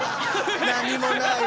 何もない。